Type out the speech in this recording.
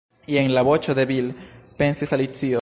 "jen la voĉo de Bil," pensis Alicio.